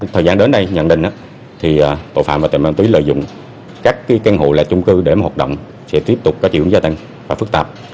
thời gian đến nay nhận định tội phạm và tài nạn ma túy lợi dụng các căn hộ là trung cư để hoạt động sẽ tiếp tục có triệu gia tăng và phức tạp